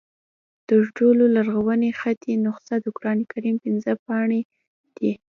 تر ټولو لرغونې خطي نسخه د قرآن کریم پنځه پارې دي.